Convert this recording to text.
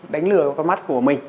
đánh lừa cái mắt của mình